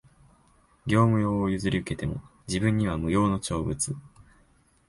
業務用を譲り受けても、自分には無用の長物